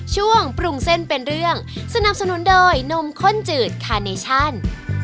ช่วงปรุงเส้นเป็นเรื่องสนับสนุนโดยนมข้นจืดคาเนชั่น